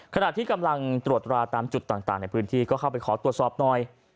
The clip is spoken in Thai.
ขณะที่กำลังตรวจราตามจุดต่างในพื้นที่ก็เข้าไปขอตรวจสอบหน่อย